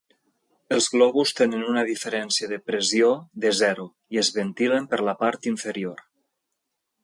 Els globus tenen una diferència de pressió de zero, i es ventilen per la part inferior.